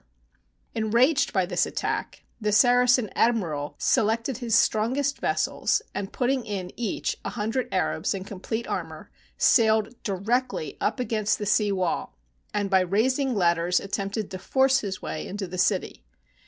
CONSTANTINOPLE Enraged by this attack, the Saracen admiral se lected his strongest vessels, and putting in each a hundred Arabs in complete armour, sailed directly up against the sea wall and by raising ladders at tempted to force his way into the city.